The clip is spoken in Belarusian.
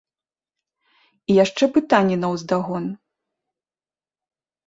І яшчэ пытанне наўздагон.